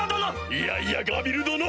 いやいやガビル殿！